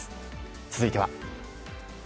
続いては。